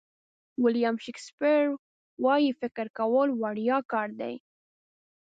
ویلیام شکسپیر وایي فکر کول وړیا کار دی.